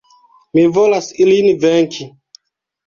Mi volas ilin venki.